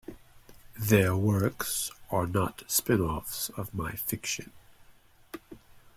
Their works are not spinoffs of my fiction.